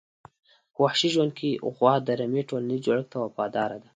په وحشي ژوند کې غوا د رمي ټولنیز جوړښت ته وفاداره ده.